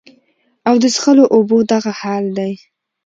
او د څښلو اوبو دغه حال دے